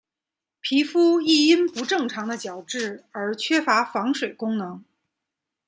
皮肤亦因不正常的角质而缺乏防水功能。